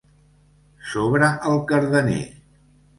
Sobre el Cardener.